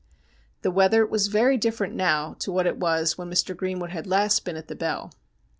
The weather was very different now to what it was when Mr. Greenwood had last been at the Bell.